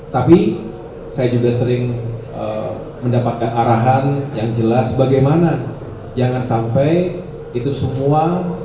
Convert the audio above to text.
tapi saya juga sering mendapatkan arahan yang jelas bagaimana jangan sampai itu semua